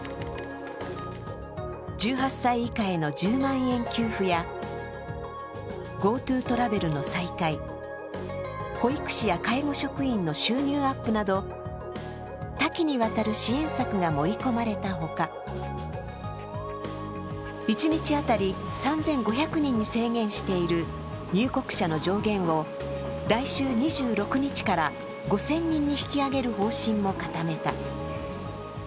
１８歳以下への１０万円給付やＧｏＴｏトラベルの再開、保育士や介護職員の収入アップなど、多岐にわたる支援策が盛り込まれたほか一日当たり３５００人に制限している入国者の上限を来週２６日から５０００人に引き上げる方針も固めた。